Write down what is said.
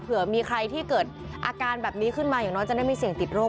เผื่อมีใครที่เกิดอาการแบบนี้ขึ้นมาอย่างน้อยจะได้ไม่เสี่ยงติดโรค